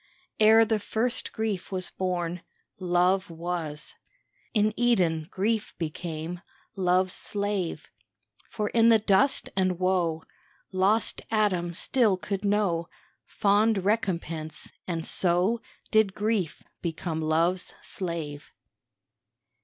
Ere the first grief was born Love was. In Eden grief became Love's slave. For in the dust and woe Lost Adam still could know Fond recompense, and so Did grief become Love's slave.